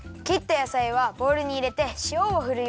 やさいはボウルにいれてしおをふるよ。